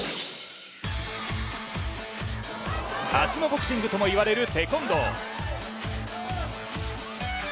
足のボクシングともいわれるテコンドー。